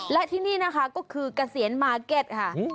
และที่นี่นะคะก็คือเกษียณมาร์เก็ตค่ะ